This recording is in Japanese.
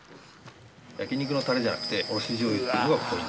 焼き肉のタレじゃなくておろし醤油っていうのがポイント。